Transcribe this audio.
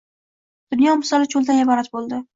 Dunyo misoli cho‘ldan iborat bo‘ldi.